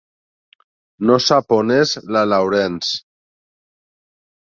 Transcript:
No sap on és la Laurence.